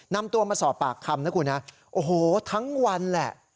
นำตัวมาสอบปากคำนะคุณฮะโอ้โหทั้งวันแหละ